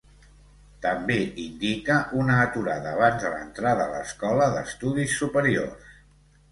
També indica una aturada abans de l'entrada a l'escola d"estudis superiors.